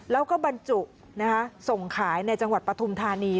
แล้วก็บรรจุส่งขายในจังหวัดปฐุมธานี